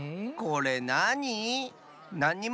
これなに？